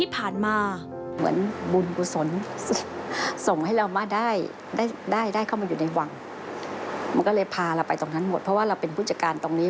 เพราะว่าเราเป็นผู้จัดการตรงนี้